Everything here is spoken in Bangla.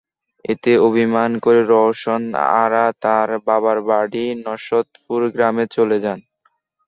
এতে অভিমান করে রওশন আরা তাঁর বাবার বাড়ি নশরৎপুর গ্রামে চলে যান।